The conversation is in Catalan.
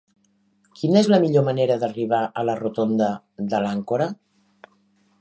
Quina és la millor manera d'arribar a la rotonda de l'Àncora?